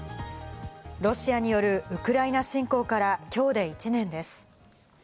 ロシアによるウクライナ侵攻から今日で１年です。